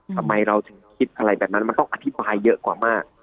ทำไมเราถึงคิดอะไรแบบนั้นมันต้องอธิบายเยอะกว่ามาก